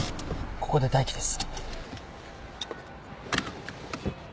ここで待機です。